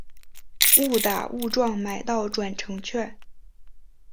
误打误撞买到转乘券